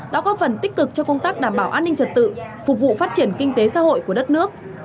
đã góp phần tích cực cho công tác đảm bảo an ninh trật tự phục vụ phát triển kinh tế xã hội của đất nước